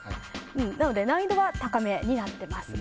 なので難易度は高めになってます。